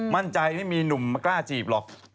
มั่นใจไม่มีหนุ่มกล้าจีบหรอก